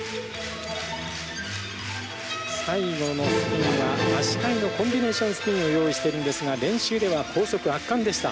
最後のスピンは足換えのコンビネーションスピンを用意してるんですが練習では高速圧巻でした。